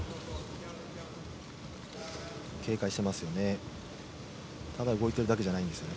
警戒していますよね。